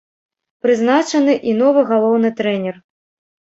Прызначаны і новы галоўны трэнер.